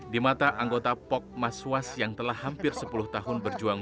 di mata anggota pok mas was yang telah hampir sepuluh tahun berjuang